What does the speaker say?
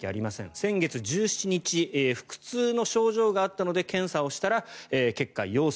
先月１７日腹痛の症状があったので検査をしたら結果、陽性。